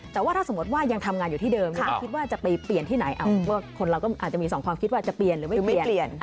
แต่ว่าถ้าสมมติว่ายังทำงานอยู่ที่เดิมถ้าคิดว่าจะไปเปลี่ยนที่ไหนคนเราก็อาจจะมีสองความคิดว่าจะเปลี่ยนหรือไม่เปลี่ยนเปลี่ยน